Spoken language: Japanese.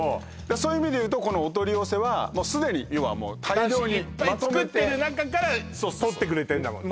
そういう意味でいうとこのお取り寄せはもうすでにようは大量にまとめて出汁いっぱい作ってる中から取ってくれてるんだもんね